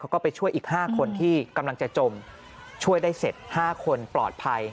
ก็ไปช่วยอีก๕คนที่กำลังจะจมช่วยได้เสร็จ๕คนปลอดภัย